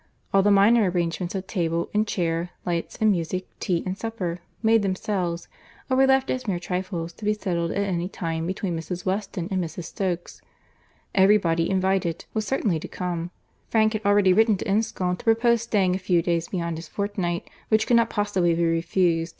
All the minor arrangements of table and chair, lights and music, tea and supper, made themselves; or were left as mere trifles to be settled at any time between Mrs. Weston and Mrs. Stokes.—Every body invited, was certainly to come; Frank had already written to Enscombe to propose staying a few days beyond his fortnight, which could not possibly be refused.